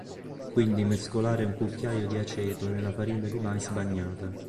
Quindi mescolare un cucchiaio di aceto nella farina di mais bagnata.